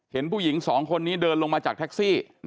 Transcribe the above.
เห็นผู้หญิงสองคนนี้เดินลงมาจากแท็กซี่